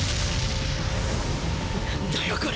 何だよこれ！